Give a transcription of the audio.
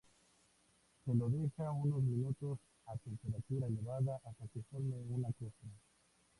Se lo deja unos minutos a temperatura elevada hasta que forme una costra.